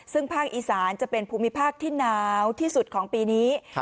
ซึ่งภาคอีสานจะเป็นภูมิภาคที่หนาวที่สุดของปีนี้